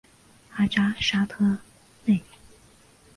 阿扎沙特内。